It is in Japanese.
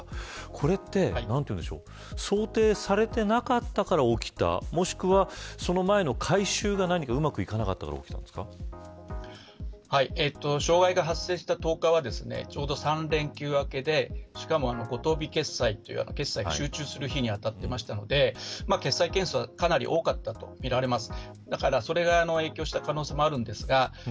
これって、想定されていなかったから起きたもしくはその前の改修がうまくいかなかったから障害が発生した１０日はちょうど３連休明けでしかも五・十日決済という決済が集中する日に当たってましたので決済件数はかなり多かったとみられます。